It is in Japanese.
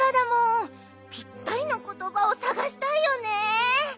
ぴったりのことばをさがしたいよね。